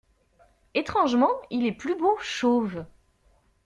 étrangement, il est plus beau chauve.